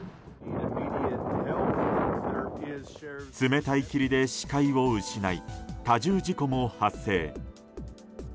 冷たい霧で視界を失い多重事故も発生。